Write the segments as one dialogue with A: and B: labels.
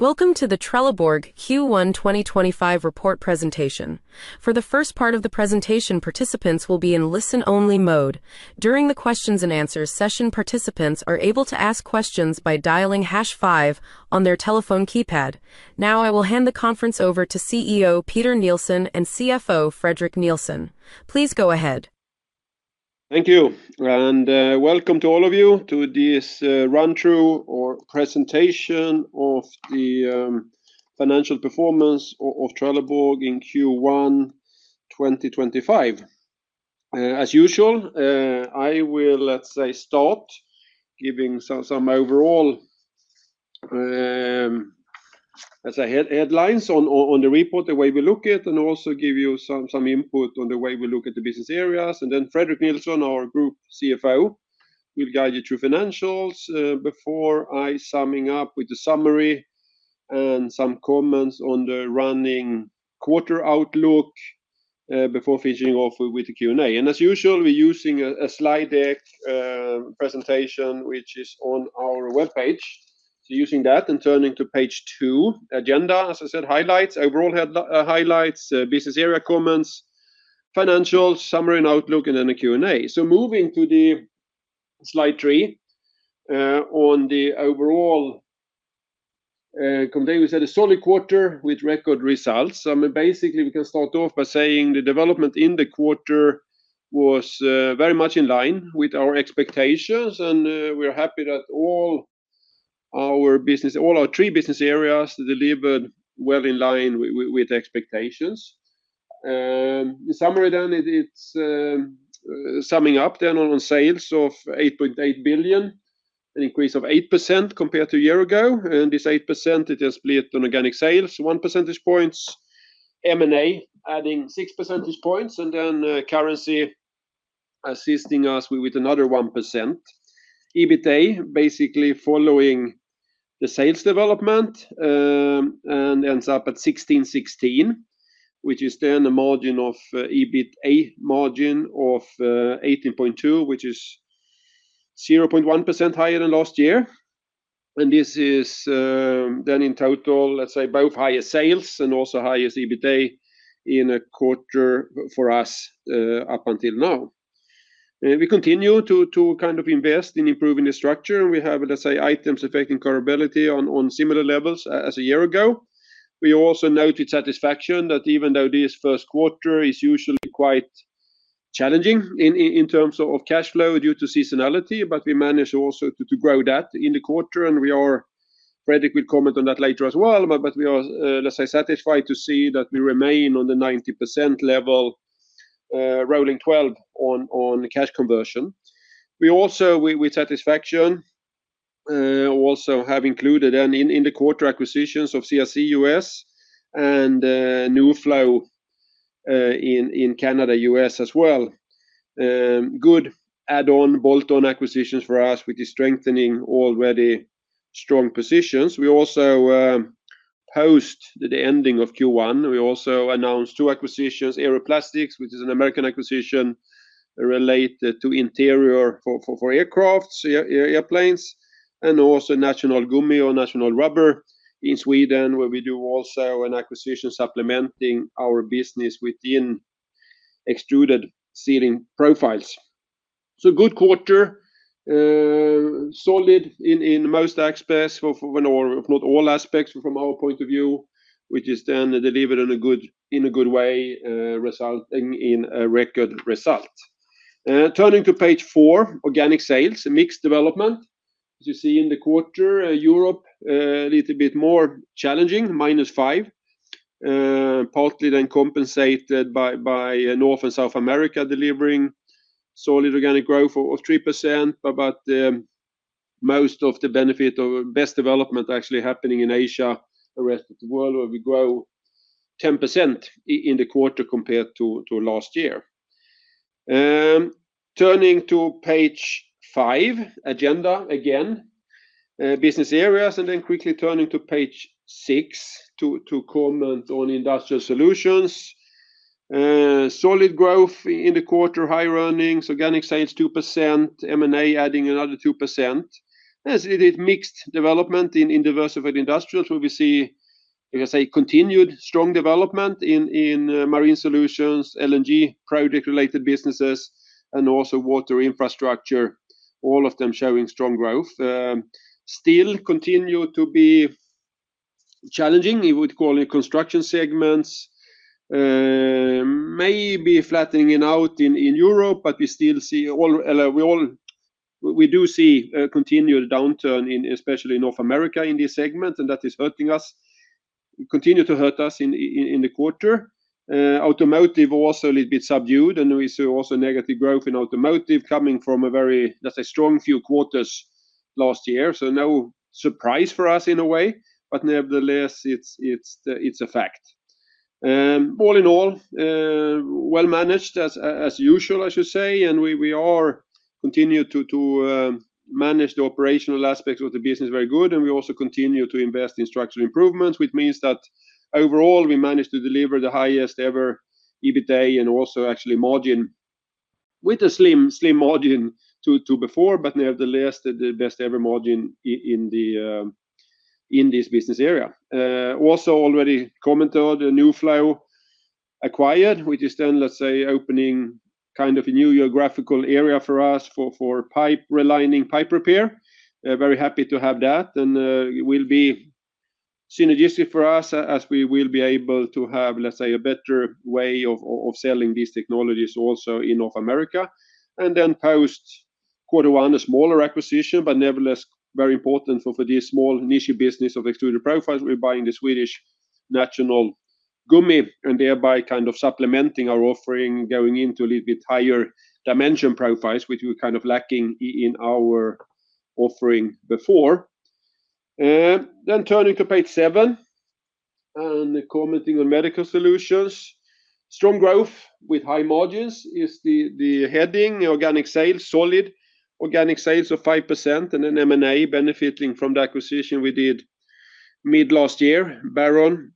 A: Welcome to the Trelleborg Q1 2025 report presentation. For the first part of the presentation, participants will be in listen-only mode. During the Q&A session, participants are able to ask questions by dialing #5 on their telephone keypad. Now, I will hand the conference over to CEO Peter Nilsson and CFO Fredrik Nilsson. Please go ahead.
B: Thank you, and welcome to all of you to this run-through or presentation of the financial performance of Trelleborg in Q1 2025. As usual, I will, let's say, start giving some overall, let's say, headlines on the report, the way we look at it, and also give you some input on the way we look at the business areas. Then Fredrik Nilsson, our Group CFO, will guide you through financials before I sum up with the summary and some comments on the running quarter outlook before finishing off with the Q&A. As usual, we're using a slide deck presentation, which is on our web page. Using that and turning to page two, agenda, as I said, highlights, overall headline highlights, business area comments, financials, summary and outlook, and then a Q&A. Moving to slide three on the overall, we said a solid quarter with record results. Basically, we can start off by saying the development in the quarter was very much in line with our expectations, and we're happy that all our business, all our three business areas delivered well in line with expectations. In summary, then it's summing up then on sales of 8.8 billion, an increase of 8% compared to a year ago. This 8% is split on organic sales, 1 percentage point, M&A adding 6 percentage points, and then currency assisting us with another 1%. EBITA, basically following the sales development, ends up at 1.616 billion, which is then an EBITA margin of 18.2%, which is 0.1% higher than last year. This is then in total, let's say, both highest sales and also highest EBITA in a quarter for us up until now. We continue to kind of invest in improving the structure, and we have, let's say, items affecting comparability on similar levels as a year ago. We also noted satisfaction that even though this first quarter is usually quite challenging in terms of cash flow due to seasonality, we managed also to grow that in the quarter. Fredrik will comment on that later as well, but we are, let's say, satisfied to see that we remain on the 90% level, rolling 12 on cash conversion. We also, with satisfaction, also have included in the quarter acquisitions of CRC US and NuFlow in Canada US as well. Good add-on, bolt-on acquisitions for us, which is strengthening already strong positions. We also post the ending of Q1. We also announced two acquisitions, Aeroplastics, which is an American acquisition related to interior for aircraft, airplanes, and also National Gummi in Sweden, where we do also an acquisition supplementing our business within extruded sealing profiles. Good quarter, solid in most aspects or not all aspects from our point of view, which is then delivered in a good way, resulting in a record result. Turning to page four, organic sales, mixed development, as you see in the quarter, Europe a little bit more challenging, -5%, partly then compensated by North and South America delivering solid organic growth of 3%, but most of the benefit of best development actually happening in Asia, the rest of the world, where we grow 10% in the quarter compared to last year. Turning to page five, agenda again, business areas, and then quickly turning to page six to comment on industrial solutions. Solid growth in the quarter, high runnings, organic sales 2%, M&A adding another 2%. As it is mixed development in diversified industrials, where we see, as I say, continued strong development in marine solutions, LNG project-related businesses, and also water infrastructure, all of them showing strong growth. Still continue to be challenging, we would call it construction segments, maybe flattening out in Europe, but we still see all, we do see continued downturn, especially in North America in this segment, and that is hurting us, continue to hurt us in the quarter. Automotive also a little bit subdued, and we see also negative growth in automotive coming from a very, let's say, strong few quarters last year. No surprise for us in a way, but nevertheless, it's a fact. All in all, well managed as usual, I should say, and we continue to manage the operational aspects of the business very good, and we also continue to invest in structural improvements, which means that overall we managed to deliver the highest ever EBITA and also actually margin with a slim margin to before, but nevertheless, the best ever margin in this business area. Also already commented, New Flow acquired, which is then, let's say, opening kind of a new geographical area for us for pipe relining, pipe repair. Very happy to have that, and will be synergistic for us as we will be able to have, let's say, a better way of selling these technologies also in North America. Post quarter one, a smaller acquisition, but nevertheless very important for this small niche business of extruded profiles. We're buying the Swedish National Gummi and thereby kind of supplementing our offering, going into a little bit higher dimension profiles, which we were kind of lacking in our offering before. Turning to page seven and commenting on medical solutions. Strong growth with high margins is the heading, organic sales, solid organic sales of 5%, and M&A benefiting from the acquisition we did mid last year, Baron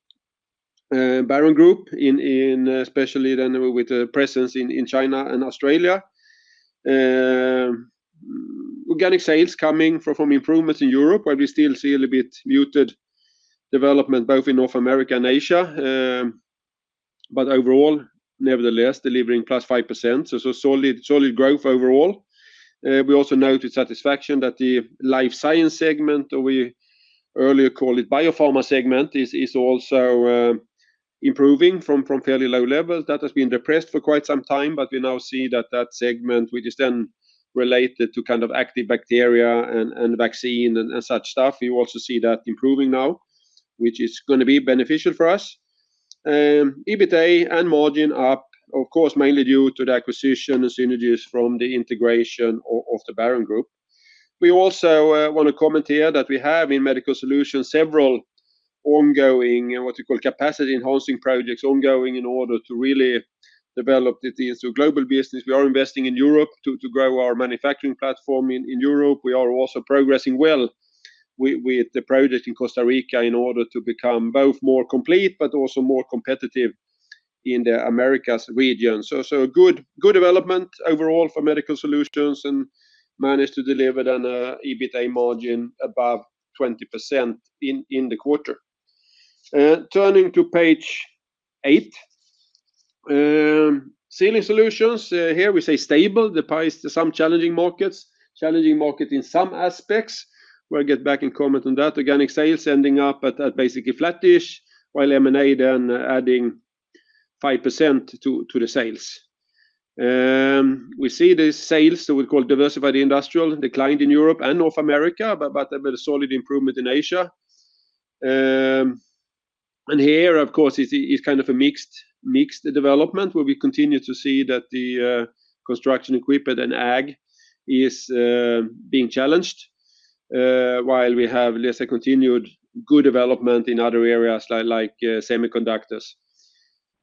B: Group, especially then with a presence in China and Australia. Organic sales coming from improvements in Europe, where we still see a little bit muted development both in North America and Asia, but overall, nevertheless, delivering plus 5%. Solid growth overall. We also noted satisfaction that the life science segment, or we earlier called it biopharma segment, is also improving from fairly low levels. That has been repressed for quite some time, but we now see that that segment, which is then related to kind of active bacteria and vaccine and such stuff, you also see that improving now, which is going to be beneficial for us. EBITA and margin up, of course, mainly due to the acquisition and synergies from the integration of the Barron Group. We also want to comment here that we have in medical solutions several ongoing, what we call capacity enhancing projects ongoing in order to really develop into a global business. We are investing in Europe to grow our manufacturing platform in Europe. We are also progressing well with the project in Costa Rica in order to become both more complete, but also more competitive in the Americas region. Good development overall for medical solutions and managed to deliver then an EBITA margin above 20% in the quarter. Turning to page eight, sealing solutions. Here we say stable, despite some challenging markets, challenging market in some aspects. We'll get back and comment on that. Organic sales ending up at basically flattish while M&A then adding 5% to the sales. We see the sales, so we call it diversified industrial, declined in Europe and North America, but with a solid improvement in Asia. Here, of course, it's kind of a mixed development where we continue to see that the construction equipment and ag is being challenged while we have, let's say, continued good development in other areas like semiconductors.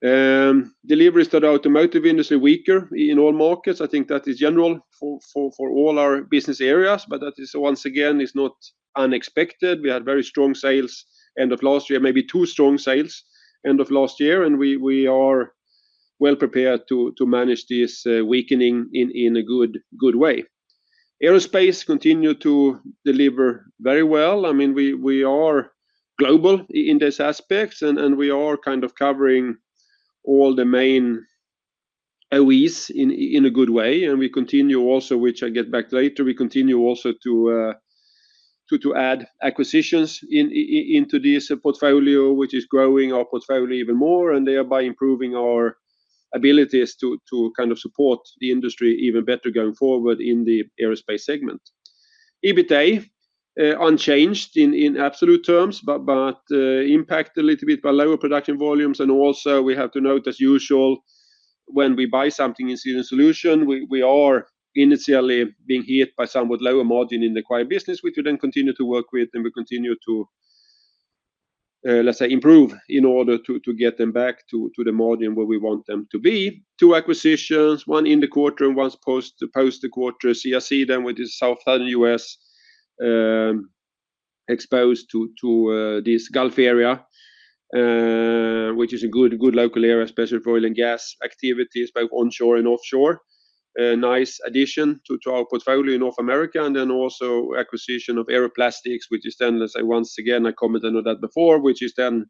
B: Delivery to the automotive industry weaker in all markets. I think that is general for all our business areas, but that is once again, it's not unexpected. We had very strong sales end of last year, maybe too strong sales end of last year, and we are well prepared to manage this weakening in a good way. Aerospace continue to deliver very well. I mean, we are global in these aspects, and we are kind of covering all the main OEs in a good way. We continue also, which I get back later, we continue also to add acquisitions into this portfolio, which is growing our portfolio even more and thereby improving our abilities to kind of support the industry even better going forward in the aerospace segment. EBITA unchanged in absolute terms, but impact a little bit by lower production volumes. We have to note, as usual, when we buy something in sealing solution, we are initially being hit by somewhat lower margin in the acquired business, which we then continue to work with, and we continue to, let's say, improve in order to get them back to the margin where we want them to be. Two acquisitions, one in the quarter and one post the quarter. CRC then with the Southern US exposed to this Gulf area, which is a good local area, especially for oil and gas activities both onshore and offshore. Nice addition to our portfolio in North America and then also acquisition of Aeroplastics, which is then, let's say, once again, I commented on that before, which is then,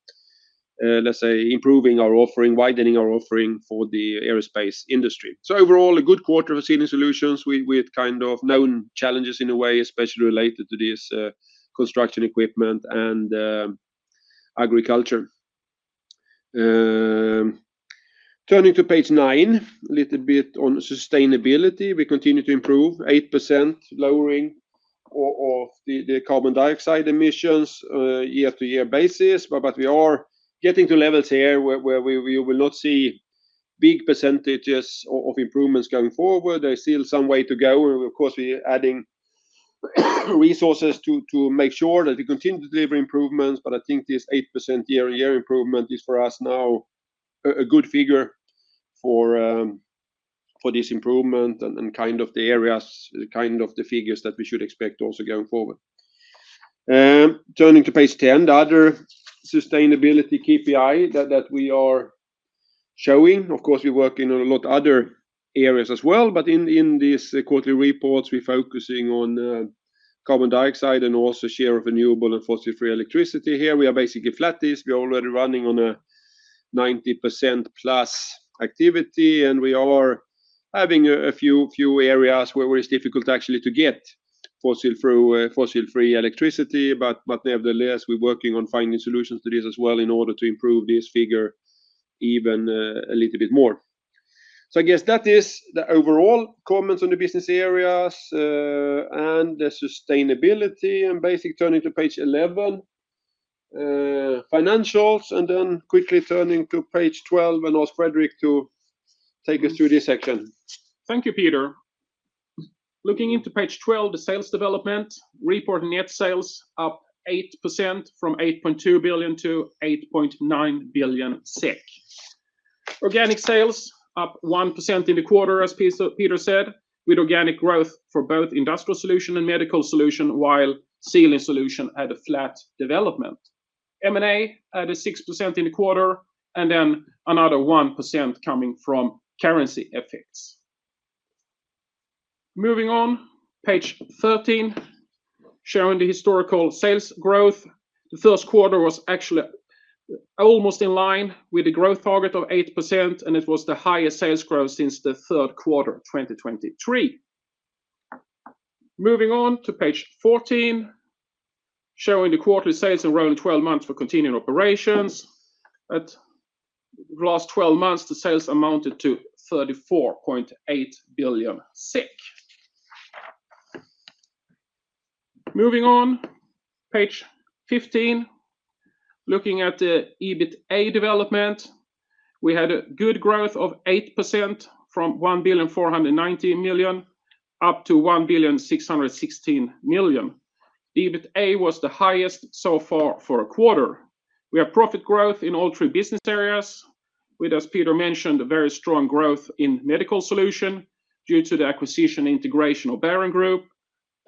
B: let's say, improving our offering, widening our offering for the aerospace industry. Overall, a good quarter of sealing solutions with kind of known challenges in a way, especially related to this construction equipment and agriculture. Turning to page nine, a little bit on sustainability. We continue to improve, 8% lowering of the carbon dioxide emissions year-to-year basis, but we are getting to levels here where we will not see big percentages of improvements going forward. There is still some way to go. Of course, we are adding resources to make sure that we continue to deliver improvements, but I think this 8% year-to-year improvement is for us now a good figure for this improvement and kind of the areas, kind of the figures that we should expect also going forward. Turning to page 10, the other sustainability KPI that we are showing. Of course, we're working on a lot of other areas as well, but in these quarterly reports, we're focusing on carbon dioxide and also share of renewable and fossil-free electricity. Here we are basically flattish. We are already running on a 90% plus activity, and we are having a few areas where it's difficult actually to get fossil-free electricity, but nevertheless, we're working on finding solutions to this as well in order to improve this figure even a little bit more. I guess that is the overall comments on the business areas and the sustainability. Basically turning to page 11, financials, and then quickly turning to page 12 and ask Fredrik to take us through this section.
C: Thank you, Peter. Looking into page 12, the sales development report net sales up 8% from 8.2 billion to 8.9 billion SEK. Organic sales up 1% in the quarter, as Peter said, with organic growth for both industrial solution and medical solution, while sealing solution had a flat development. M&A had a 6% in the quarter and then another 1% coming from currency effects. Moving on, page 13, showing the historical sales growth. The first quarter was actually almost in line with the growth target of 8%, and it was the highest sales growth since the third quarter of 2023. Moving on to page 14, showing the quarterly sales and rolling 12 months for continuing operations. At the last 12 months, the sales amounted to 34.8 billion. Moving on, page 15, looking at the EBITA development, we had a good growth of 8% from 1,490,000,000 up to 1,616,000,000. EBITA was the highest so far for a quarter. We have profit growth in all three business areas, with, as Peter mentioned, a very strong growth in medical solution due to the acquisition integration of Barron Group.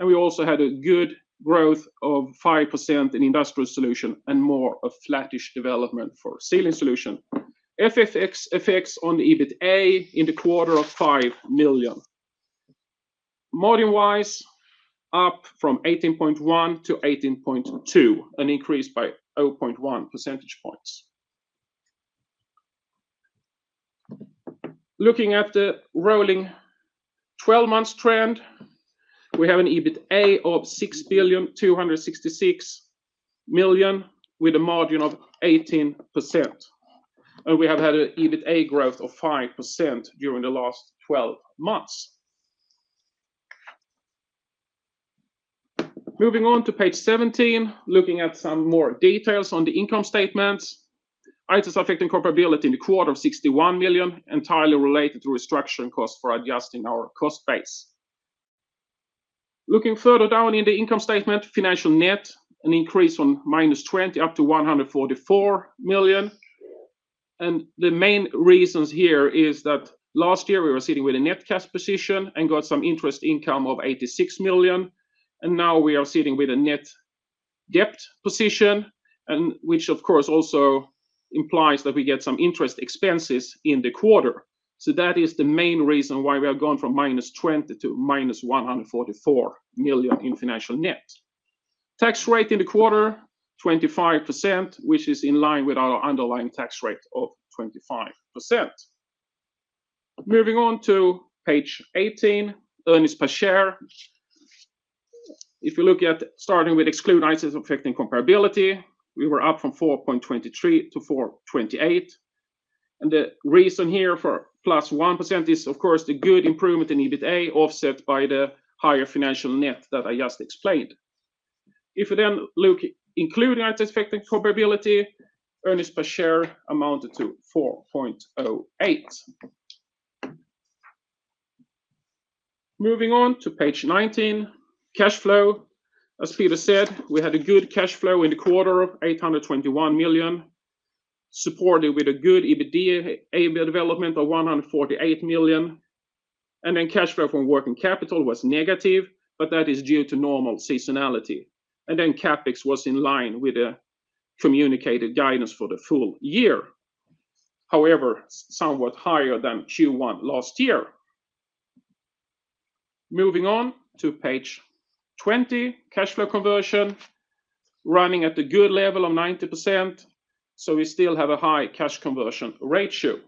C: We also had a good growth of 5% in industrial solution and more of flattish development for sealing solution. FX on the EBITA in the quarter of 5 million. Margin-wise, up from 18.1% to 18.2%, an increase by 0.1 percentage points. Looking at the rolling 12-month trend, we have an EBITA of 6,266,000,000 with a margin of 18%. We have had an EBITA growth of 5% during the last 12 months. Moving on to page 17, looking at some more details on the income statements. Items affecting comparability in the quarter of 61 million, entirely related to restructuring costs for adjusting our cost base. Looking further down in the income statement, financial net, an increase from minus 20 million up to minus 144 million. The main reasons here is that last year we were sitting with a net cash position and got some interest income of 86 million. Now we are sitting with a net debt position, which of course also implies that we get some interest expenses in the quarter. That is the main reason why we are going from minus 20 million to minus 144 million in financial net. Tax rate in the quarter, 25%, which is in line with our underlying tax rate of 25%. Moving on to page 18, earnings per share. If you look at starting with exclude items affecting comparability, we were up from 4.23 to 4.28. The reason here for plus 1% is, of course, the good improvement in EBITA offset by the higher financial net that I just explained. If you then look including items affecting comparability, earnings per share amounted to 4.08. Moving on to page 19, cash flow. As Peter said, we had a good cash flow in the quarter of 821 million, supported with a good EBITDA development of 148 million. Cash flow from working capital was negative, but that is due to normal seasonality. CapEx was in line with the communicated guidance for the full year, however somewhat higher than Q1 last year. Moving on to page 20, cash flow conversion running at a good level of 90%. We still have a high cash conversion ratio.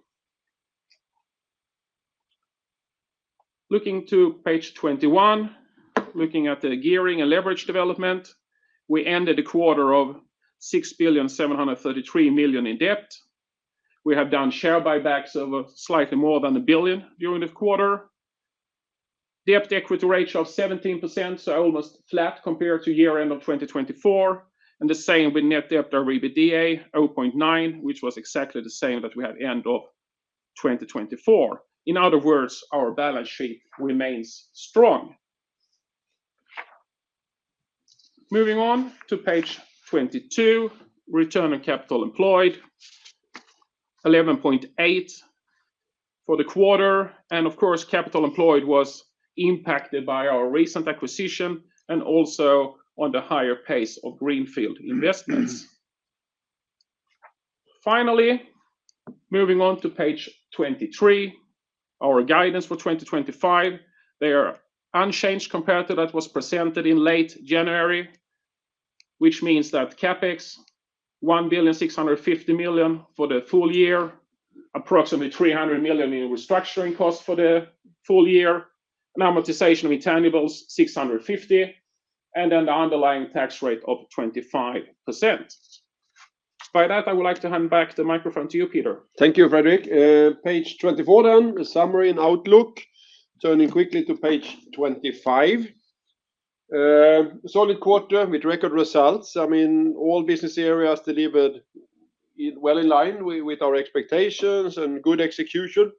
C: Looking to page 21, looking at the gearing and leverage development, we ended the quarter at 6.733 billion in debt. We have done share buybacks of slightly more than 1 billion during the quarter. Debt equity ratio of 17%, so almost flat compared to year-end of 2024. The same with net debt over EBITDA, 0.9, which was exactly the same that we had end of 2024. In other words, our balance sheet remains strong. Moving on to page 22, return on capital employed, 11.8% for the quarter. Of course, capital employed was impacted by our recent acquisition and also on the higher pace of greenfield investments. Finally, moving on to page 23, our guidance for 2025. They are unchanged compared to what was presented in late January, which means that CapEx, 1,650,000,000 for the full year, approximately 300 million in restructuring costs for the full year, amortization of intangibles, 650 million, and then the underlying tax rate of 25%. By that, I would like to hand back the microphone to you, Peter.
B: Thank you, Fredrik. Page 24 then, a summary and outlook. Turning quickly to page 25. Solid quarter with record results. I mean, all business areas delivered well in line with our expectations and good execution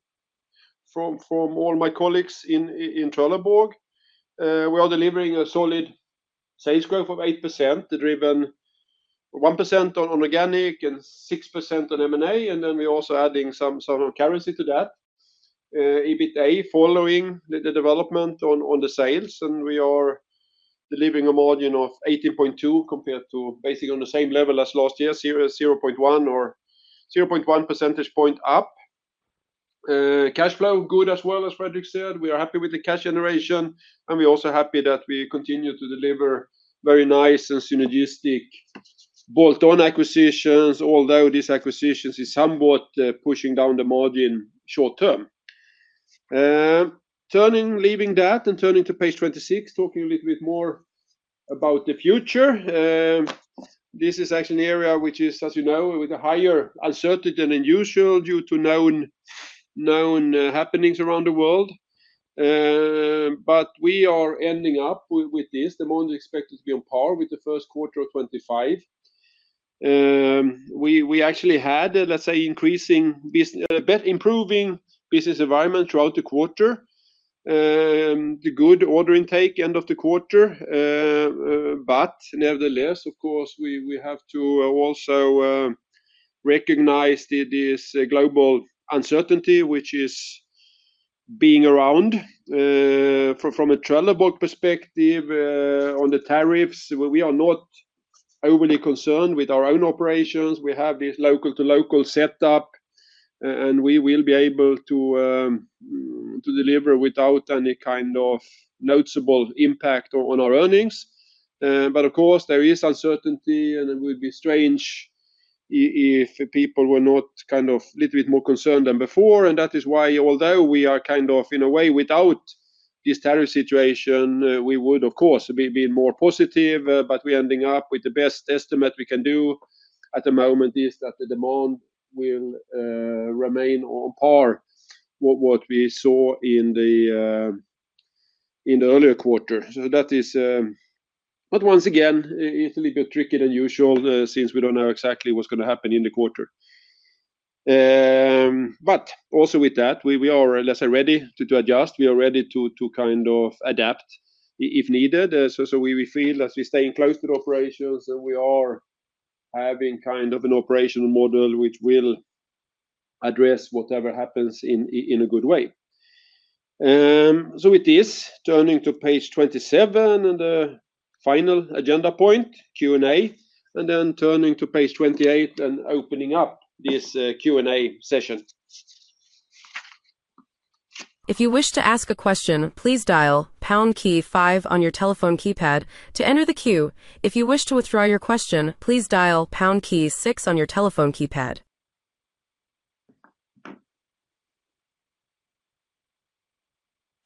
B: from all my colleagues in Trelleborg. We are delivering a solid sales growth of 8%, driven 1% on organic and 6% on M&A, and then we are also adding some currency to that, EBITA, following the development on the sales. We are delivering a margin of 18.2 compared to basically on the same level as last year, 0.1 or 0.1 percentage point up. Cash flow good as well, as Fredrik said. We are happy with the cash generation, and we're also happy that we continue to deliver very nice and synergistic bolt-on acquisitions, although these acquisitions are somewhat pushing down the margin short term. Leaving that and turning to page 26, talking a little bit more about the future. This is actually an area which is, as you know, with a higher uncertainty than usual due to known happenings around the world. We are ending up with this. The month is expected to be on par with the first quarter of 2025. We actually had, let's say, increasing business, improving business environment throughout the quarter, the good order intake end of the quarter. Nevertheless, of course, we have to also recognize this global uncertainty, which is being around from a Trelleborg perspective on the tariffs. We are not overly concerned with our own operations. We have this local-to-local setup, and we will be able to deliver without any kind of noticeable impact on our earnings. Of course, there is uncertainty, and it would be strange if people were not kind of a little bit more concerned than before. That is why, although we are kind of in a way without this tariff situation, we would, of course, be more positive. We are ending up with the best estimate we can do at the moment, that the demand will remain on par with what we saw in the earlier quarter. That is, once again, it's a little bit tricky than usual since we do not know exactly what's going to happen in the quarter. Also with that, we are ready to adjust. We are ready to kind of adapt if needed. We feel as we stay in close to the operations, we are having kind of an operational model which will address whatever happens in a good way. With this, turning to page 27 and the final agenda point, Q&A, and then turning to page 28 and opening up this Q&A session.
A: If you wish to ask a question, please dial pound key five on your telephone keypad to enter the queue. If you wish to withdraw your question, please dial pound key six on your telephone keypad.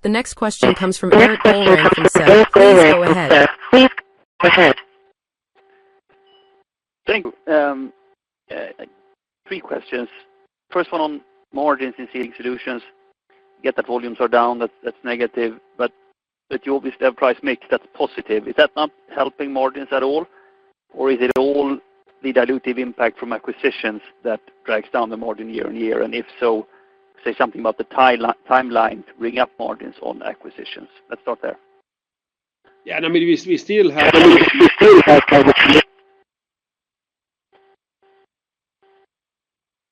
A: The next question comes from Erik Golrang from SEB. Please go ahead.
D: Thank you. Three questions. First one on margins in sealing solutions. Get that volumes are down, that's negative, but you obviously have price mix that's positive. Is that not helping margins at all? Is it all the dilutive impact from acquisitions that drags down the margin year on year? If so, say something about the timeline to bring up margins on acquisitions. Let's start there.
B: I mean, we still have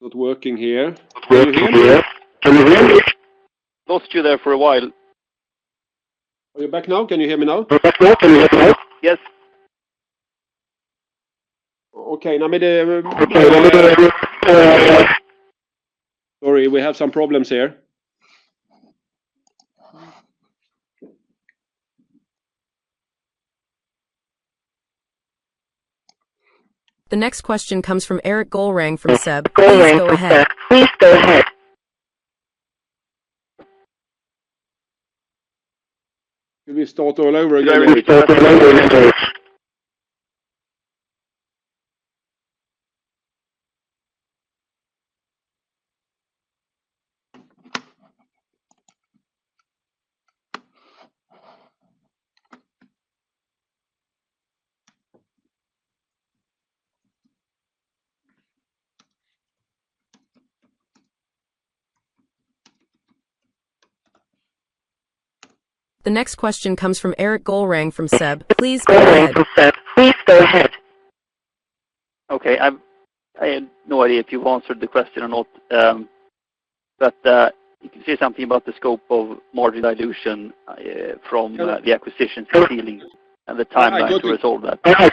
B: not working here. Can you hear me? Can you hear me? Lost you there for a while. Are you back now? Can you hear me now? Can you hear me now? Yes. Okay. Sorry, we have some problems here.
A: The next question comes from Erik Golrang from SEB. Please go ahead. Can we start all over again? The next question comes from Erik Golrang from SEB. Please go ahead. Please go ahead.
D: I have no idea if you've answered the question or not, but you can say something about the scope of margin dilution from the acquisition ceiling and the timeline to resolve that.
B: I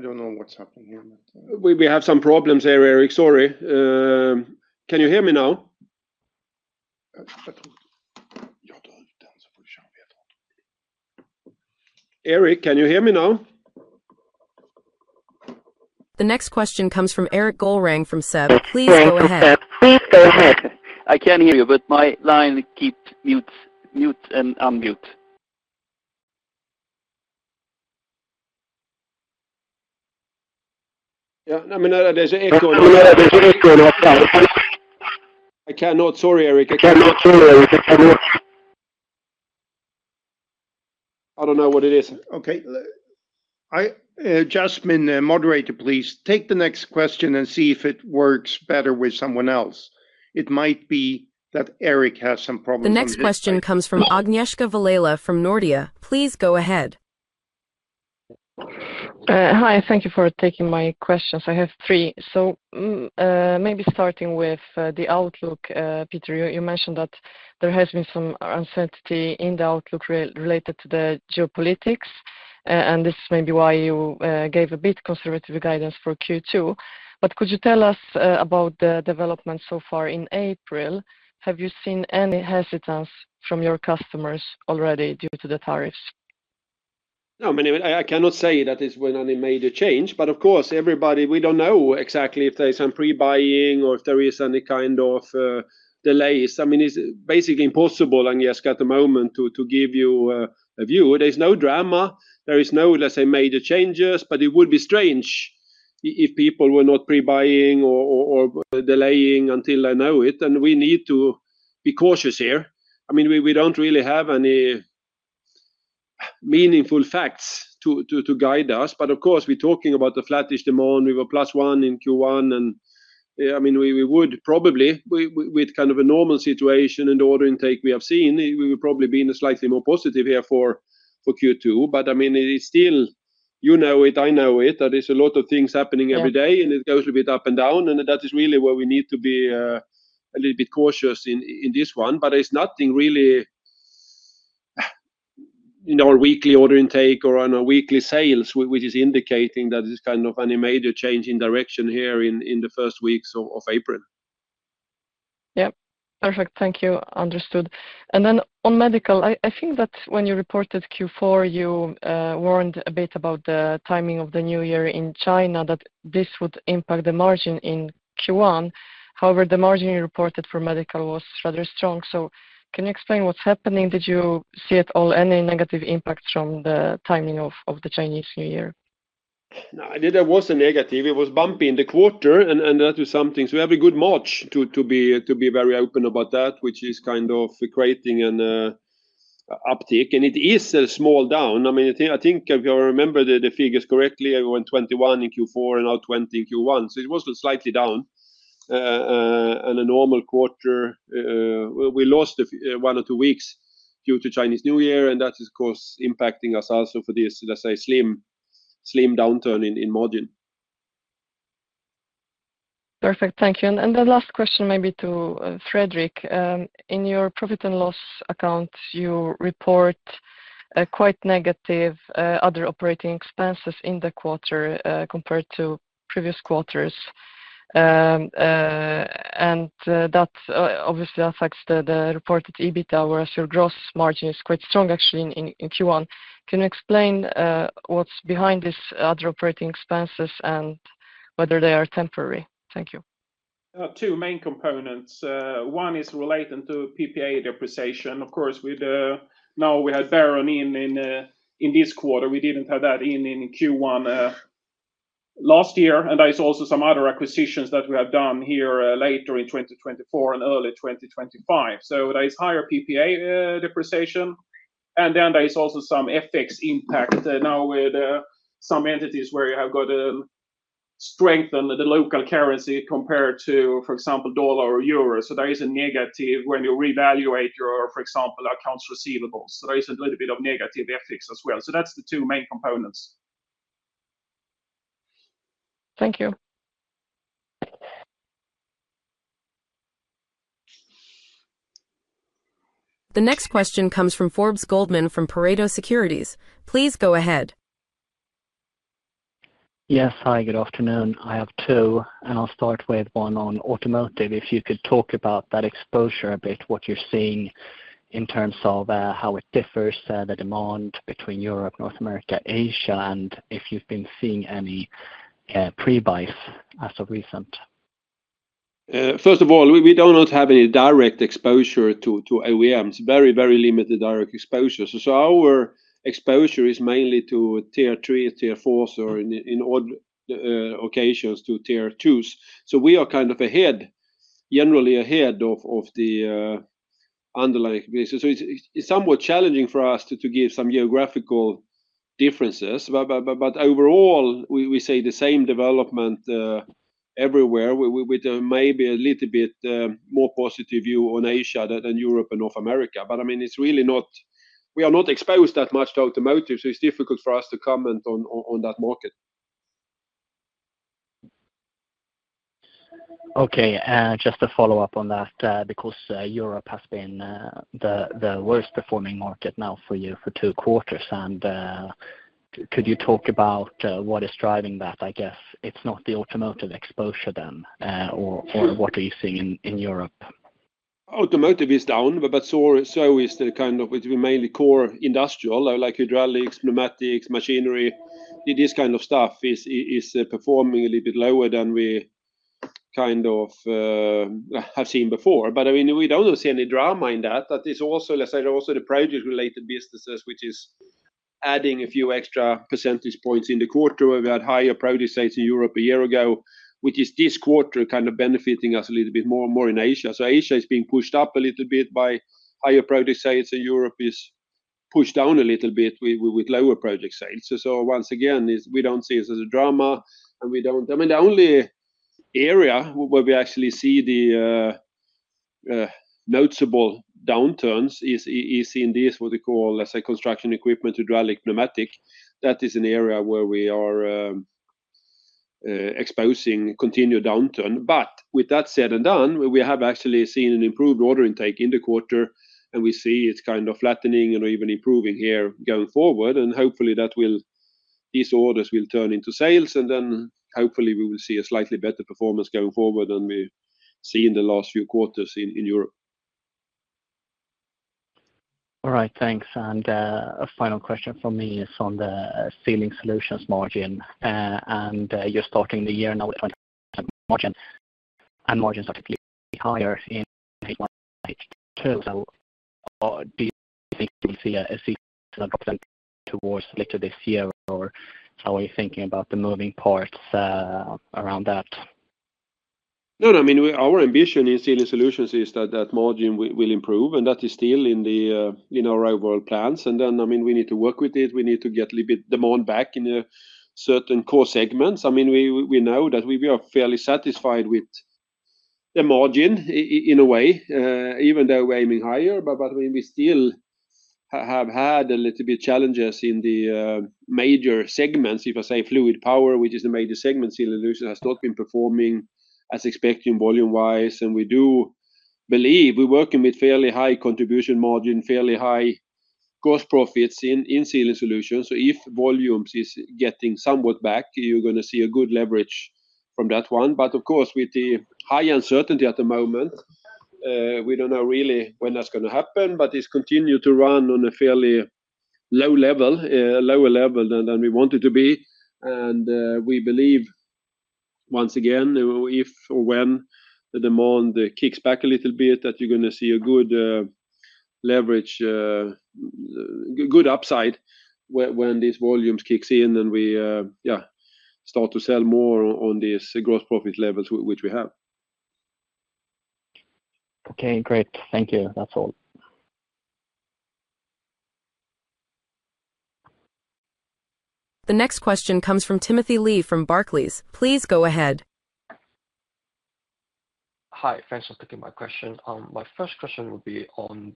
B: don't know what's happening here, but we have some problems here, Erik. Sorry. Can you hear me now? Erik, can you hear me now?
A: The next question comes from Erik Golrang from SEB. Please go ahead. Please go ahead.
D: I can hear you, but my line keeps mute and unmute. Yeah, I mean, there's an echo. I cannot.
B: Sorry, Erik. I cannot. I don't know what it is. Okay. Jasmine, moderator, please take the next question and see if it works better with someone else. It might be that Erik has some problems.
A: The next question comes from Agnieszka Vilela from Nordea. Please go ahead.
E: Hi. Thank you for taking my questions. I have three. Maybe starting with the outlook, Peter, you mentioned that there has been some uncertainty in the outlook related to the geopolitics, and this is maybe why you gave a bit conservative guidance for Q2. Could you tell us about the development so far in April? Have you seen any hesitance from your customers already due to the tariffs?
B: No, I mean, I cannot say that it's been any major change, but of course, everybody, we don't know exactly if there's some pre-buying or if there is any kind of delays. I mean, it's basically impossible, Agnieszka, at the moment to give you a view. There's no drama. There is no, let's say, major changes, but it would be strange if people were not pre-buying or delaying until I know it. We need to be cautious here. I mean, we do not really have any meaningful facts to guide us. Of course, we are talking about the flattish demand. We were plus one in Q1, and I mean, we would probably, with kind of a normal situation and the order intake we have seen, we would probably be in a slightly more positive here for Q2. I mean, it is still, you know it, I know it, that there is a lot of things happening every day, and it goes a bit up and down, and that is really where we need to be a little bit cautious in this one. There is nothing really in our weekly order intake or on our weekly sales, which is indicating that there is kind of any major change in direction here in the first weeks of April.
E: Yeah. Perfect. Thank you. Understood. On medical, I think that when you reported Q4, you warned a bit about the timing of the new year in China that this would impact the margin in Q1. However, the margin you reported for medical was rather strong. Can you explain what's happening? Did you see at all any negative impacts from the timing of the Chinese New Year?
B: There was a negative. It was bumpy in the quarter, and that was something. We have a good March, to be very open about that, which is kind of creating an uptick. It is a small down. I mean, I think if I remember the figures correctly, we were in 21 in Q4 and now 20 in Q1. It was slightly down and a normal quarter. We lost one or two weeks due to Chinese New Year, and that is, of course, impacting us also for this, let's say, slim downturn in margin.
E: Perfect. Thank you. The last question maybe to Fredrik. In your profit and loss account, you report quite negative other operating expenses in the quarter compared to previous quarters. That obviously affects the reported EBITDA, whereas your gross margin is quite strong actually in Q1. Can you explain what's behind these other operating expenses and whether they are temporary? Thank you.
C: Two main components. One is related to PPA depreciation. Of course, now we had Barron in in this quarter. We didn't have that in Q1 last year. There are also some other acquisitions that we have done here later in 2024 and early 2025. There is higher PPA depreciation, and then there is also some FX impact. Now with some entities where you have got to strengthen the local currency compared to, for example, dollar or euro. There is a negative when you revaluate your, for example, accounts receivables. There is a little bit of negative FX as well. That is the two main components.
E: Thank you.
A: The next question comes from Anders Roslund from Pareto Securities. Please go ahead.
F: Yes. Hi. Good afternoon. I have two, and I'll start with one on automotive. If you could talk about that exposure a bit, what you're seeing in terms of how it differs, the demand between Europe, North America, Asia, and if you've been seeing any prebuys as of recent.
B: First of all, we do not have any direct exposure to OEMs. Very, very limited direct exposure. Our exposure is mainly to tier three, tier four, or in odd occasions to tier twos. We are kind of ahead, generally ahead of the underlying business. It is somewhat challenging for us to give some geographical differences. Overall, we see the same development everywhere with maybe a little bit more positive view on Asia than Europe and North America. I mean, it is really not, we are not exposed that much to automotive, so it is difficult for us to comment on that market.
F: Okay. Just to follow up on that, because Europe has been the worst performing market now for you for two quarters. Could you talk about what is driving that? I guess it is not the automotive exposure then or what are you seeing in Europe?
B: Automotive is down, but so is the kind of mainly core industrial, like hydraulics, pneumatics, machinery. This kind of stuff is performing a little bit lower than we have seen before. I mean, we do not see any drama in that. That is also, let's say, there are also the project-related businesses, which is adding a few extra percentage points in the quarter where we had higher project sales in Europe a year ago, which is this quarter kind of benefiting us a little bit more in Asia. Asia is being pushed up a little bit by higher project sales, and Europe is pushed down a little bit with lower project sales. Once again, we do not see it as a drama, and we do not, I mean, the only area where we actually see the noticeable downturns is in this, what we call, let's say, construction equipment, hydraulic, pneumatic. That is an area where we are exposing continued downturn. With that said and done, we have actually seen an improved order intake in the quarter, and we see it's kind of flattening and even improving here going forward. Hopefully, these orders will turn into sales, and then hopefully, we will see a slightly better performance going forward than we see in the last few quarters in Europe.
F: All right. Thanks. A final question from me is on the sealing solutions margin. You're starting the year now with margin, and margins are typically higher in 2022. Do you think you'll see a seasonal drop towards later this year, or how are you thinking about the moving parts around that?
B: No, no. I mean, our ambition in sealing solutions is that that margin will improve, and that is still in our overall plans. I mean, we need to work with it. We need to get a little bit demand back in certain core segments. I mean, we know that we are fairly satisfied with the margin in a way, even though we're aiming higher, but we still have had a little bit of challenges in the major segments. I mean, if I say fluid power, which is the major segment, sealing solutions has not been performing as expected volume-wise. We do believe we're working with fairly high contribution margin, fairly high gross profits in sealing solutions. If volumes is getting somewhat back, you're going to see a good leverage from that one. Of course, with the high uncertainty at the moment, we do not know really when that's going to happen, but it has continued to run on a fairly low level, lower level than we wanted to be. We believe, once again, if or when the demand kicks back a little bit, that you're going to see a good leverage, good upside when these volumes kick in and we, yeah, start to sell more on these gross profit levels which we have.
F: Okay. Great. Thank you. That's all.
A: The next question comes from Timothy Lee from Barclays. Please go ahead.
G: Hi. Thanks for taking my question. My first question would be on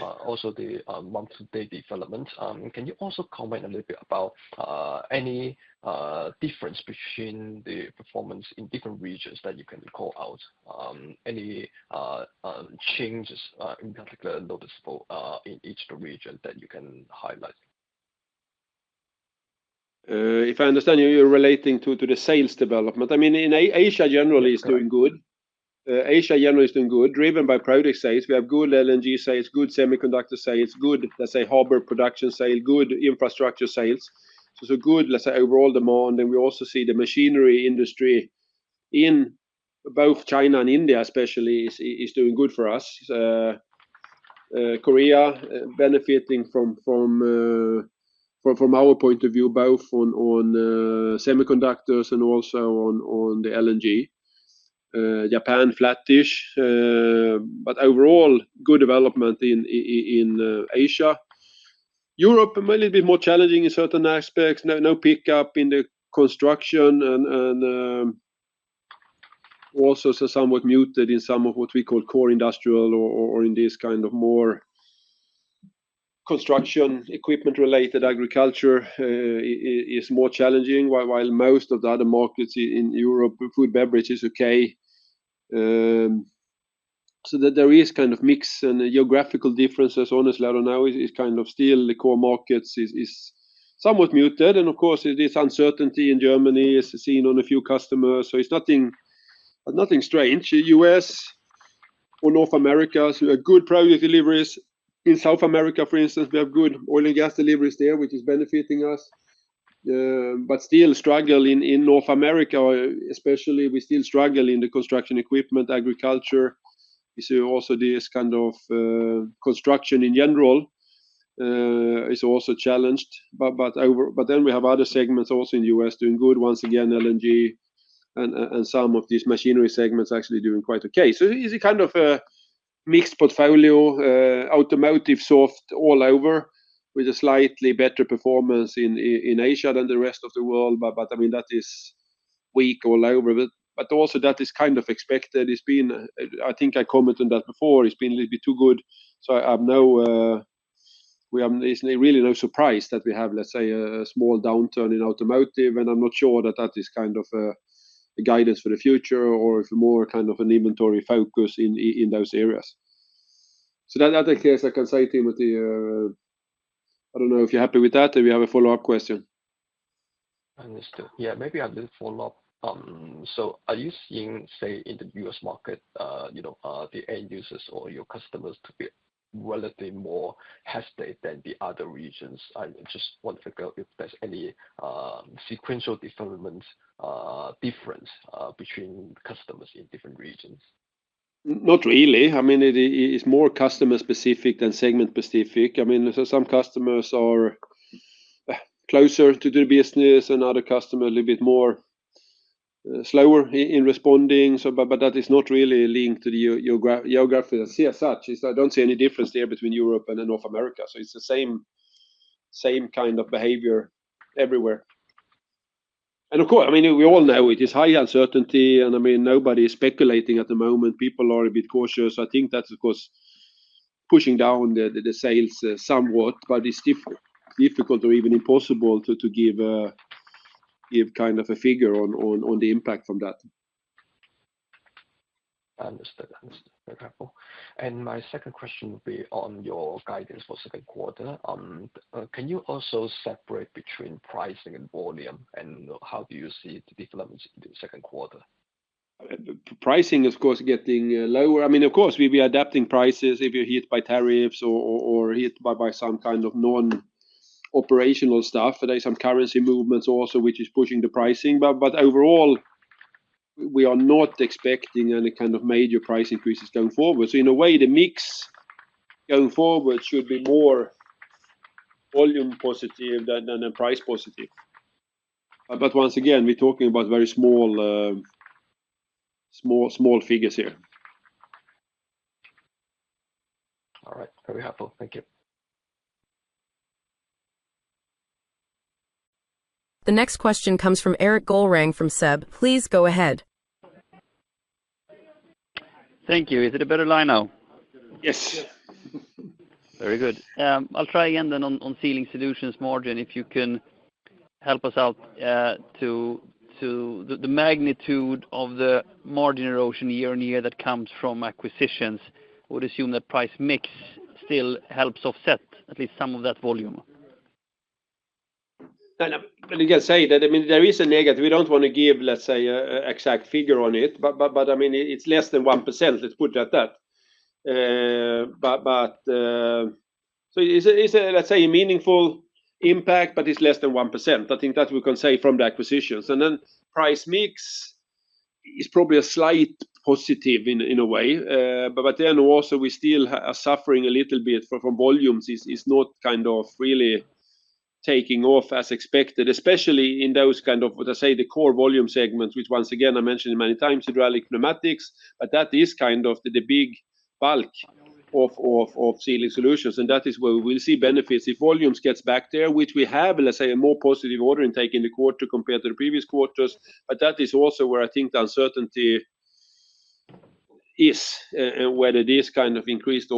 G: also the month-to-day development. Can you also comment a little bit about any difference between the performance in different regions that you can call out? Any changes in particular noticeable in each region that you can highlight?
B: If I understand you, you're relating to the sales development. I mean, Asia generally is doing good. Asia generally is doing good, driven by product sales. We have good LNG sales, good semiconductor sales, good, let's say, harbor project sales, good infrastructure sales. Good, let's say, overall demand. We also see the machinery industry in both China and India, especially, is doing good for us. Korea benefiting from our point of view, both on semiconductors and also on the LNG. Japan flattish, but overall good development in Asia. Europe may be a little bit more challenging in certain aspects. No pickup in the construction and also somewhat muted in some of what we call core industrial or in this kind of more construction equipment-related agriculture is more challenging, while most of the other markets in Europe, food, beverage is okay. There is kind of mix and geographical differences. Honestly, I don't know. It's kind of still the core markets is somewhat muted. Of course, this uncertainty in Germany is seen on a few customers. It is nothing strange. US or North America has good project deliveries. In South America, for instance, we have good oil and gas deliveries there, which is benefiting us. We still struggle in North America, especially. We still struggle in the construction equipment, agriculture. You see also this kind of construction in general is also challenged. We have other segments also in the US doing good. Once again, LNG and some of these machinery segments actually doing quite okay. It is a kind of a mixed portfolio, automotive, soft all over, with a slightly better performance in Asia than the rest of the world. I mean, that is weak all over. That is kind of expected. I think I commented on that before. It has been a little bit too good. I have really no surprise that we have, let's say, a small downturn in automotive. I'm not sure that that is kind of a guidance for the future or more kind of an inventory focus in those areas. That is the case I can say, Timothy. I don't know if you're happy with that. We have a follow-up question.
G: Understood. Yeah. Maybe I'll do a follow-up. Are you seeing, say, in the U.S. market, the end users or your customers to be relatively more hesitant than the other regions? I just want to figure out if there's any sequential development difference between customers in different regions.
B: Not really. I mean, it's more customer-specific than segment-specific. I mean, some customers are closer to the business and other customers a little bit more slower in responding. That is not really linked to the geography. I see as such. I do not see any difference there between Europe and North America. It is the same kind of behavior everywhere. Of course, I mean, we all know it is high uncertainty. I mean, nobody is speculating at the moment. People are a bit cautious. I think that is, of course, pushing down the sales somewhat, but it is difficult or even impossible to give kind of a figure on the impact from that.
G: Understood. Understood. Very helpful. My second question would be on your guidance for second quarter. Can you also separate between pricing and volume, and how do you see the development in the second quarter? Pricing is, of course, getting lower. I mean, of course, we will be adapting prices if you are hit by tariffs or hit by some kind of non-operational stuff. There are some currency movements also, which is pushing the pricing.
B: Overall, we are not expecting any kind of major price increases going forward. In a way, the mix going forward should be more volume positive than price positive. Once again, we are talking about very small figures here.
G: All right. Very helpful. Thank you.
A: The next question comes from Erik Golrang from SEB. Please go ahead.
D: Thank you. Is it a better line now? Yes. Very good. I'll try again then on sealing solutions margin. If you can help us out to the magnitude of the margin erosion year on year that comes from acquisitions, we would assume that price mix still helps offset at least some of that volume. Again, I mean, there is a negative. We do not want to give, let's say, an exact figure on it, but I mean, it is less than 1%. Let's put it at that.
B: It is a, let's say, a meaningful impact, but it is less than 1%. I think that we can say from the acquisitions. Price mix is probably a slight positive in a way. We still are suffering a little bit from volumes. It is not kind of really taking off as expected, especially in those kind of, let's say, the core volume segments, which once again, I mentioned many times, hydraulic, pneumatics, but that is kind of the big bulk of sealing solutions. That is where we will see benefits if volumes get back there, which we have, let's say, a more positive order intake in the quarter compared to the previous quarters. That is also where I think the uncertainty is, whether these kind of increased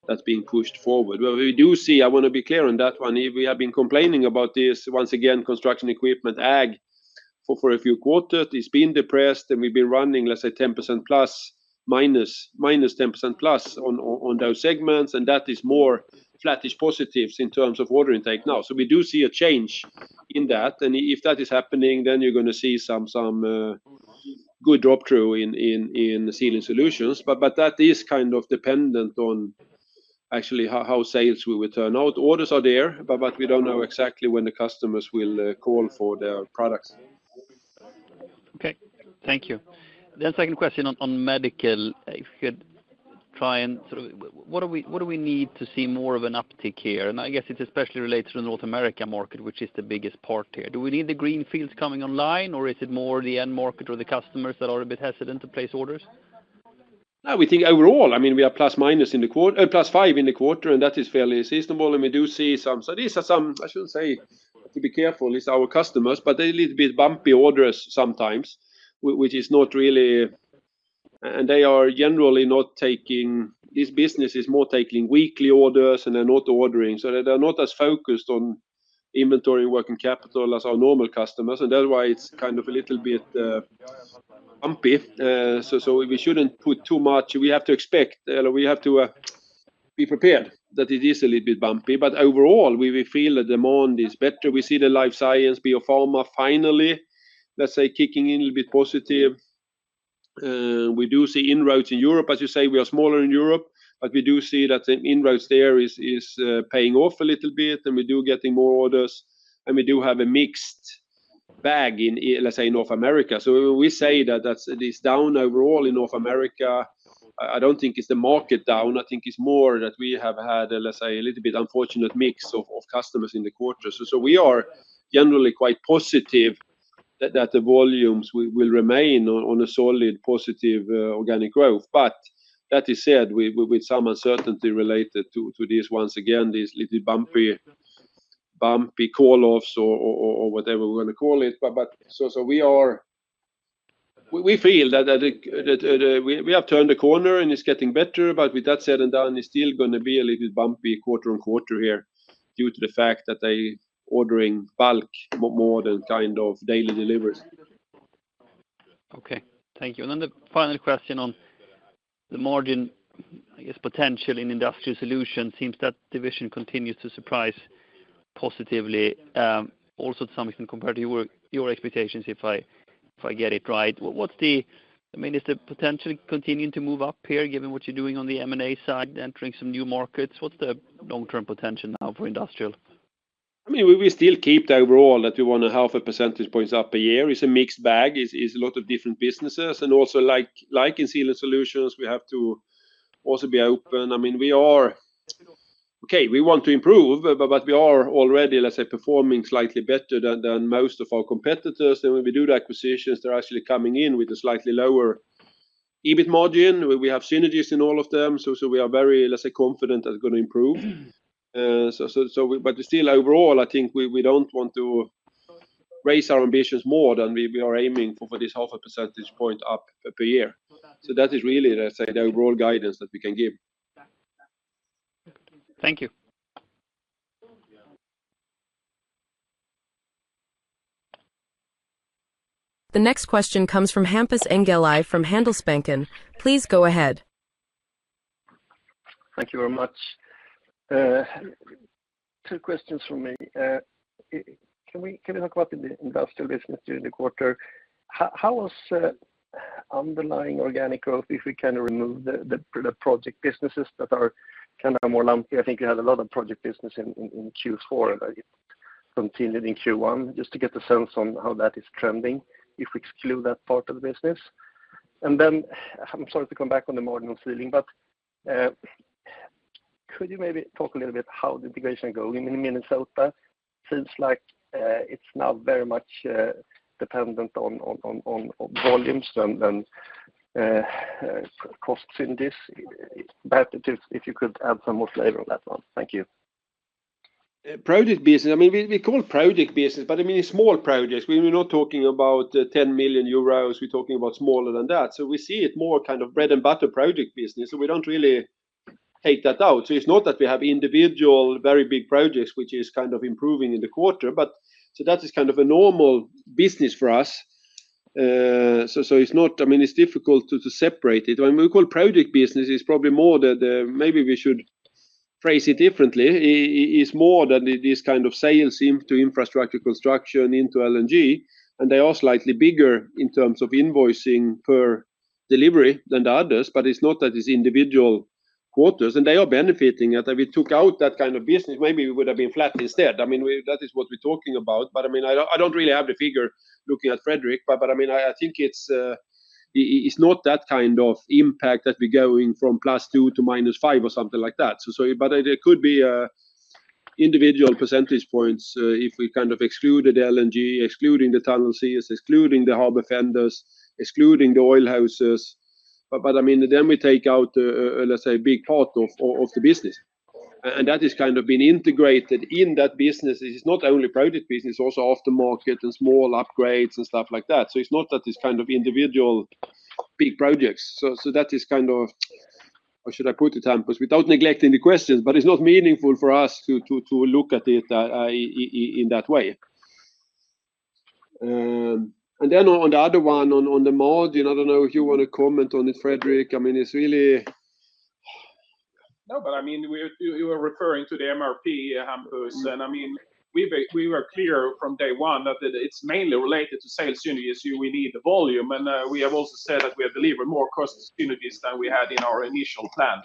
B: orders will actually turn into increased sales in this quarter or that is being pushed forward. We do see, I want to be clear on that one. We have been complaining about this, once again, construction equipment ag for a few quarters. It's been depressed, and we've been running, let's say, 10% plus, minus 10% plus on those segments. That is more flattish positives in terms of order intake now. We do see a change in that. If that is happening, then you're going to see some good drop through in sealing solutions. That is kind of dependent on actually how sales will turn out. Orders are there, but we don't know exactly when the customers will call for their products.
D: Okay. Thank you. Second question on medical. If you could try and sort of what do we need to see more of an uptick here?
B: I guess it's especially related to the North America market, which is the biggest part here. Do we need the green fields coming online, or is it more the end market or the customers that are a bit hesitant to place orders? No, we think overall, I mean, we are plus minus in the quarter, plus five in the quarter, and that is fairly reasonable. We do see some. These are some, I shouldn't say, to be careful, it's our customers, but they're a little bit bumpy orders sometimes, which is not really. They are generally not taking these businesses, more taking weekly orders and then auto ordering. They're not as focused on inventory working capital as our normal customers. That's why it's kind of a little bit bumpy. We shouldn't put too much. We have to expect, we have to be prepared that it is a little bit bumpy. Overall, we feel the demand is better. We see the life science, biopharma finally, let's say, kicking in a little bit positive. We do see inroads in Europe. As you say, we are smaller in Europe, but we do see that the inroads there is paying off a little bit. We are getting more orders. We do have a mixed bag in, let's say, North America. We say that it's down overall in North America. I don't think it's the market down. I think it's more that we have had, let's say, a little bit unfortunate mix of customers in the quarter. We are generally quite positive that the volumes will remain on a solid positive organic growth. That is said with some uncertainty related to these, once again, these little bumpy call-offs or whatever we are going to call it. We feel that we have turned the corner and it is getting better. With that said and done, it is still going to be a little bit bumpy quarter on quarter here due to the fact that they are ordering bulk more than kind of daily deliveries. Okay. Thank you. The final question on the margin, I guess, potential in industrial solutions. Seems that division continues to surprise positively also to some extent compared to your expectations, if I get it right. I mean, is the potential continuing to move up here given what you are doing on the M&A side, entering some new markets? What is the long-term potential now for industrial? I mean, we still keep the overall that we want to have a percentage points up a year. It's a mixed bag. It's a lot of different businesses. Also, like in sealing solutions, we have to also be open. I mean, we are okay. We want to improve, but we are already, let's say, performing slightly better than most of our competitors. When we do the acquisitions, they're actually coming in with a slightly lower EBIT margin. We have synergies in all of them. We are very, let's say, confident that it's going to improve. Still, overall, I think we don't want to raise our ambitions more than we are aiming for this half a percentage point up per year. That is really, let's say, the overall guidance that we can give.
D: Thank you.
A: The next question comes from Hampus Engellau from Handelsbanken. Please go ahead.
H: Thank you very much. Two questions for me. Can we talk about the industrial business during the quarter? How was underlying organic growth, if we can remove the project businesses that are kind of more lumpy? I think we had a lot of project business in Q4 and continued in Q1, just to get a sense on how that is trending if we exclude that part of the business. I am sorry to come back on the marginal sealing, but could you maybe talk a little bit how the integration going in Minnesota? Seems like it is now very much dependent on volumes than cost synergies. If you could add some more flavor on that one. Thank you.
B: Project business. I mean, we call it project business, but I mean, it is small projects. We are not talking about 10 million euros. We are talking about smaller than that. We see it more as kind of bread and butter project business. We do not really take that out. It is not that we have individual very big projects, which is kind of improving in the quarter. That is kind of a normal business for us. It is difficult to separate it. When we call it project business, it is probably more that maybe we should phrase it differently. It is more this kind of sales into infrastructure construction into LNG. They are slightly bigger in terms of invoicing per delivery than the others. It is not that it is individual quarters. They are benefiting that we took out that kind of business. Maybe we would have been flat instead. That is what we are talking about. I do not really have the figure, looking at Fredrik. I mean, I think it's not that kind of impact that we're going from plus 2% to minus 5% or something like that. There could be individual percentage points if we kind of exclude the LNG, excluding the tunnel seals, excluding the harbor fenders, excluding the oil hoses. I mean, then we take out, let's say, a big part of the business. That has kind of been integrated in that business. It's not only project business, also aftermarket and small upgrades and stuff like that. It's not that it's kind of individual big projects. That is kind of, how should I put it, Hampus? Without neglecting the questions, it's not meaningful for us to look at it in that way. On the other one, on the margin, I don't know if you want to comment on it, Fredrik. I mean, it's really. No, but I mean, you were referring to the MRP, Hampus. I mean, we were clear from day one that it's mainly related to sales units. We need the volume. We have also said that we have delivered more cost units than we had in our initial plan.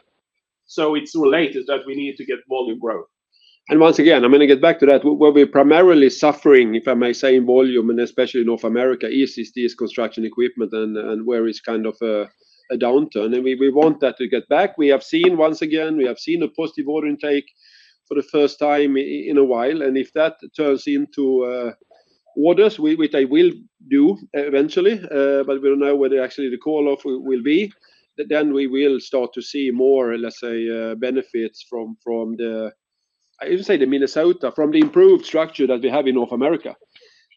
B: It is related that we need to get volume growth. Once again, I'm going to get back to that. We're primarily suffering, if I may say, in volume, and especially North America, easiest is construction equipment and where it's kind of a downturn. We want that to get back. We have seen, once again, we have seen a positive order intake for the first time in a while. If that turns into orders, which they will do eventually, but we do not know whether actually the call-off will be, then we will start to see more, let's say, benefits from the, I would say, the Minnesota, from the improved structure that we have in North America.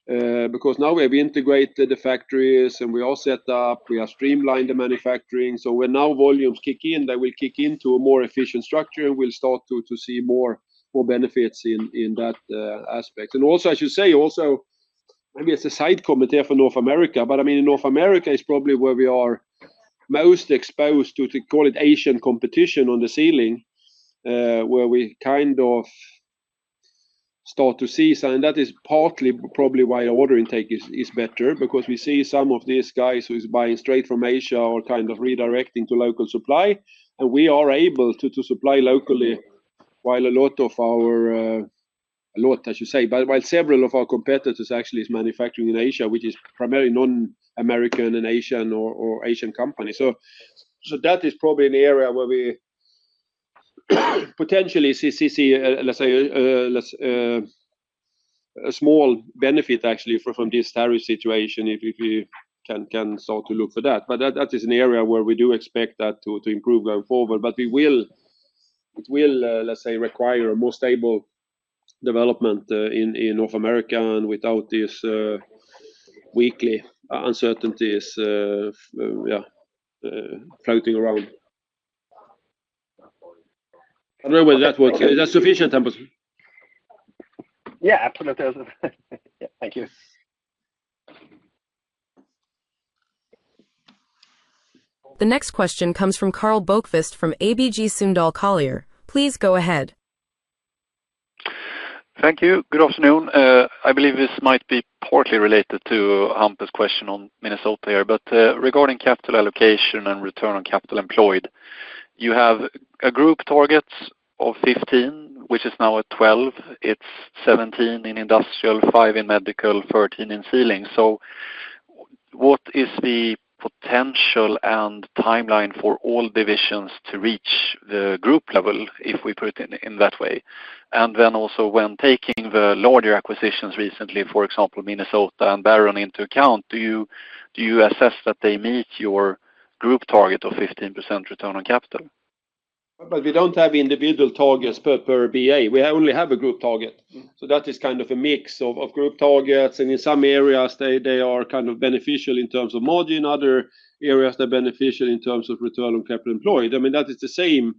B: Because now we have integrated the factories and we are set up, we have streamlined the manufacturing. When volumes kick in, they will kick into a more efficient structure and we will start to see more benefits in that aspect. I should say, also maybe it is a side comment here for North America, but I mean, in North America is probably where we are most exposed to, to call it Asian competition on the sealing, where we kind of start to see some. That is partly probably why order intake is better, because we see some of these guys who are buying straight from Asia or kind of redirecting to local supply. We are able to supply locally while several of our competitors actually are manufacturing in Asia, which is primarily non-American and Asian or Asian companies. That is probably an area where we potentially see, let's say, a small benefit actually from this tariff situation if we can start to look for that. That is an area where we do expect that to improve going forward. It will, let's say, require a more stable development in North America and without these weekly uncertainties, yeah, floating around. I do not know whether that was sufficient, Hampus.
H: Yeah, absolutely. Thank you.
C: Thank you. Good afternoon. I believe this might be partly related to Hampus' question on Minnesota here, but regarding capital allocation and return on capital employed, you have a group targets of 15, which is now at 12. It's 17 in industrial, 5 in medical, 13 in sealing.
H: What is the potential and timeline for all divisions to reach the group level, if we put it in that way? Also, when taking the larger acquisitions recently, for example, Minnesota and Barron into account, do you assess that they meet your group target of 15% return on capital?
B: We do not have individual targets per BA. We only have a group target. That is kind of a mix of group targets. In some areas, they are kind of beneficial in terms of margin. Other areas, they're beneficial in terms of return on capital employed. I mean, that is the same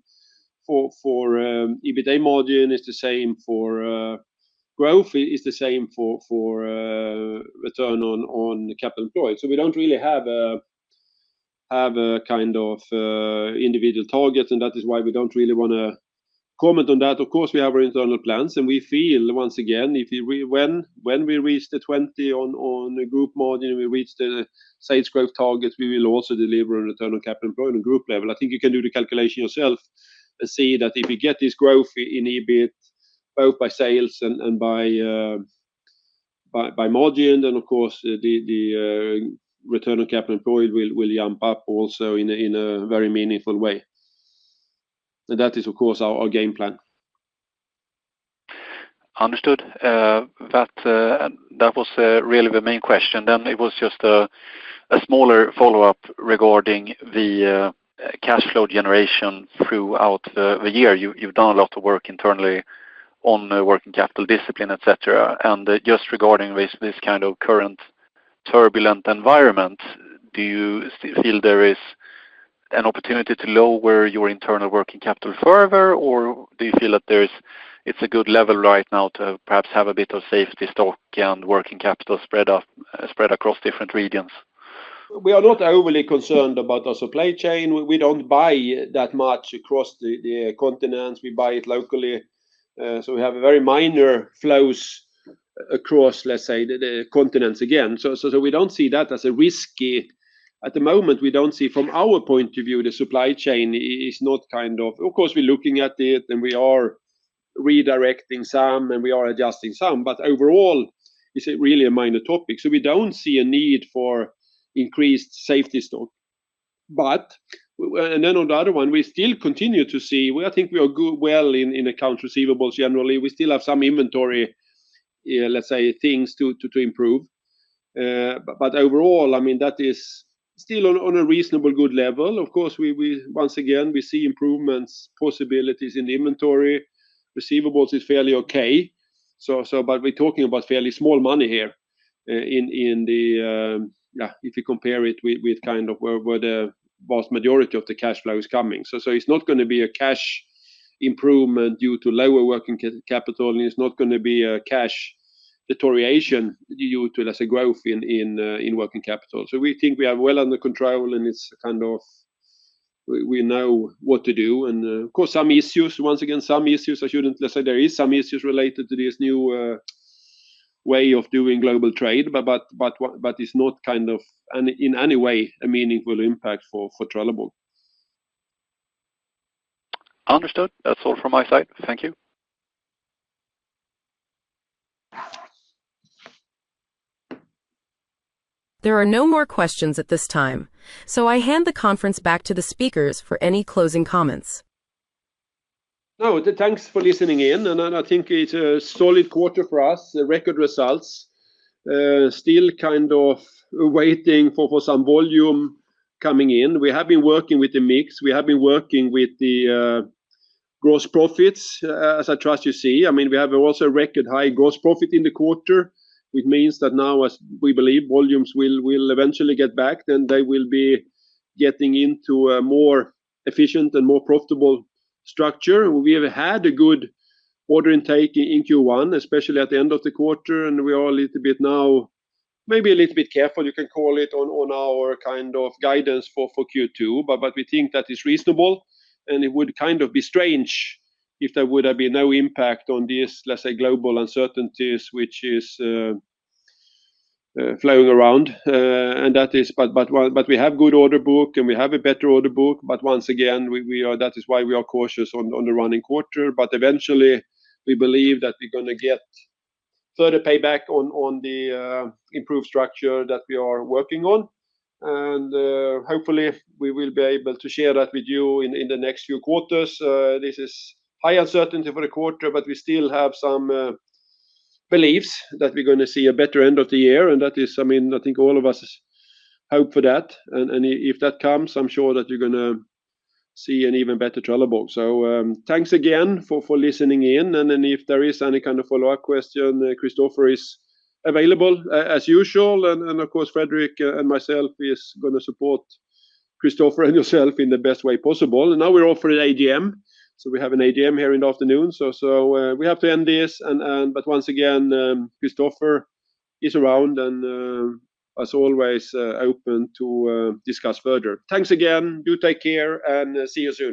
B: for EBITA margin. It's the same for growth. It's the same for return on capital employed. We don't really have a kind of individual target. That is why we don't really want to comment on that. Of course, we have our internal plans. We feel, once again, when we reach the 20 on group margin, we reach the sales growth target, we will also deliver on return on capital employed on a group level. I think you can do the calculation yourself and see that if you get this growth in EBIT, both by sales and by margin, then of course, the return on capital employed will jump up also in a very meaningful way. That is, of course, our game plan.
H: Understood. That was really the main question. It was just a smaller follow-up regarding the cash flow generation throughout the year. You've done a lot of work internally on working capital discipline, etc. Just regarding this kind of current turbulent environment, do you feel there is an opportunity to lower your internal working capital further, or do you feel that it's a good level right now to perhaps have a bit of safety stock and working capital spread across different regions?
B: We are not overly concerned about our supply chain. We do not buy that much across the continents. We buy it locally. We have very minor flows across, let's say, the continents. We do not see that as a risky. At the moment, we don't see, from our point of view, the supply chain is not kind of, of course, we're looking at it and we are redirecting some and we are adjusting some. Overall, it's really a minor topic. We don't see a need for increased safety stock. On the other one, we still continue to see, I think we are well in account receivables generally. We still have some inventory, let's say, things to improve. Overall, I mean, that is still on a reasonably good level. Of course, once again, we see improvements, possibilities in the inventory. Receivables is fairly okay. We're talking about fairly small money here in the, yeah, if you compare it with kind of where the vast majority of the cash flow is coming. It's not going to be a cash improvement due to lower working capital. It's not going to be a cash deterioration due to, let's say, growth in working capital. We think we have it well under control and it's kind of we know what to do. Of course, some issues, once again, some issues, I shouldn't, let's say, there are some issues related to this new way of doing global trade, but it's not in any way a meaningful impact for Trelleborg.
A: Understood. That's all from my side. Thank you. There are no more questions at this time. I hand the conference back to the speakers for any closing comments.
B: No, thanks for listening in. I think it's a solid quarter for us, record results. Still kind of waiting for some volume coming in. We have been working with the mix. We have been working with the gross profits, as I trust you see. I mean, we have also record high gross profit in the quarter, which means that now, as we believe, volumes will eventually get back and they will be getting into a more efficient and more profitable structure. We have had a good order intake in Q1, especially at the end of the quarter. We are a little bit now, maybe a little bit careful, you can call it, on our kind of guidance for Q2. We think that is reasonable. It would kind of be strange if there would have been no impact on this, let's say, global uncertainties, which is floating around. That is, we have a good order book and we have a better order book. Once again, that is why we are cautious on the running quarter. Eventually, we believe that we're going to get further payback on the improved structure that we are working on. Hopefully, we will be able to share that with you in the next few quarters. This is high uncertainty for the quarter, but we still have some beliefs that we're going to see a better end of the year. That is, I mean, I think all of us hope for that. If that comes, I'm sure that you're going to see an even better Trelleborg. Thanks again for listening in. If there is any kind of follow-up question, Christofer is available as usual. Of course, Fredrik and myself are going to support Christofer and yourself in the best way possible. Now we're off for the AGM. We have an AGM here in the afternoon. We have to end this. Once again, Christofer Sjögren is around and, as always, open to discuss further. Thanks again. Do take care and see you soon.